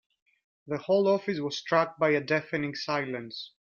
The whole office was struck by a deafening silence.